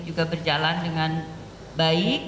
juga berjalan dengan baik